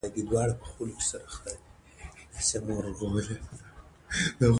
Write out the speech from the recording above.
قومونه د افغانستان د ټولنې لپاره یو ډېر بنسټيز رول لري.